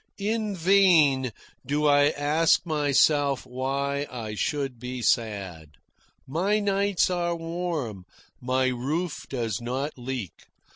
In vain do I ask myself why I should be sad. My nights are warm. My roof does not leak.